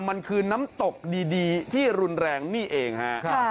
มันคือน้ำตกดีที่รุนแรงนี่เองฮะ